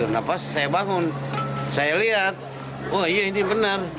nah pas saya bangun saya lihat wah iya ini benar